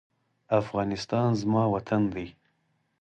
افغانستان زما وطن دی.